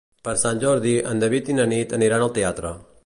Per Sant Jordi en David i na Nit aniran al teatre.